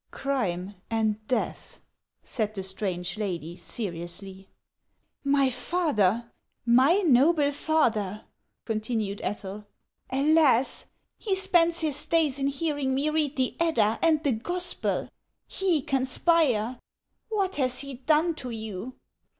" Crime and death," said the strange lady, seriously. "My father! my noble father!" continued Ethel. " Alas ! he spends his davs in hearing me read the Eclda */ and the Gospel ! He conspire ! What has he done to you